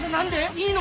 いいの？